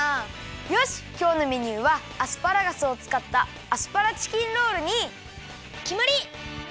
よしっきょうのメニューはアスパラガスをつかったアスパラチキンロールにきまり！